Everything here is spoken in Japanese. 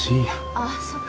あっそっか。